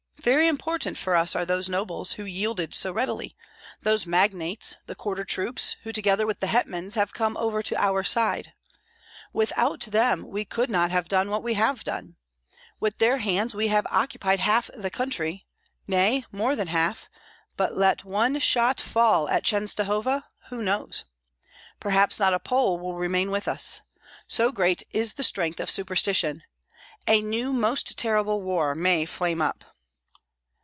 Very important for us are those nobles, who yielded so readily; those magnates; the quarter troops, who together with the hetmans, have come over to our side. Without them we could not have done what we have done. With their hands we have occupied half the country, nay, more than half; but let one shot fall at Chenstohova, who knows? perhaps not a Pole will remain with us. So great is the strength of superstition! A new most terrible war may flame up!"